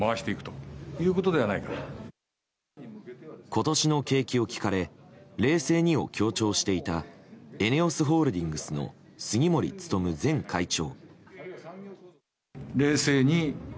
今年の景気を聞かれ「冷静に」を強調していたＥＮＥＯＳホールディングスの杉森務前会長。